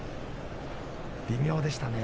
微妙でしたね。